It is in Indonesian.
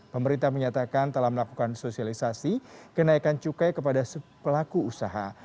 pemerintah menyatakan telah melakukan sosialisasi kenaikan cukai kepada pelaku usaha